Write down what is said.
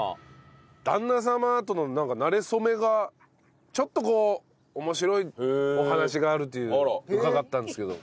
旦那様とのなれ初めがちょっとこう面白いお話があるというのを伺ったんですけど。